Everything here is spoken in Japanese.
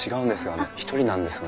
あの１人なんですが。